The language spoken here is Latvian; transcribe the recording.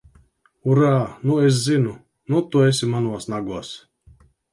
Urā! Nu es zinu! Nu tu esi manos nagos!